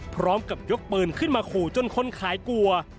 พร้อมกับยกปืนขึ้นมาขู่จนคนขายกลัว